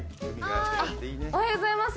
おはようございます！